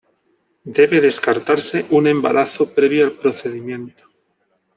Debe descartarse un embarazo previo al procedimiento.